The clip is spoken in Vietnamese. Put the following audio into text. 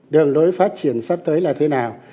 đường lối phát triển sắp tới là thế nào